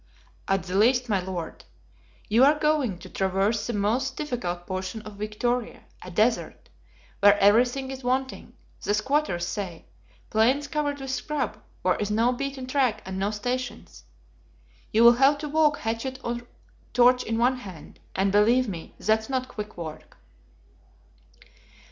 "At the least, my Lord. You are going to traverse the most difficult portion of Victoria, a desert, where everything is wanting, the squatters say; plains covered with scrub, where is no beaten track and no stations. You will have to walk hatchet or torch in hand, and, believe me, that's not quick work."